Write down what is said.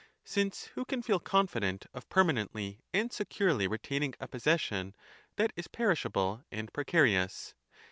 Since who can feel confident of permanently and securely retaining a possession that is perishable and precarious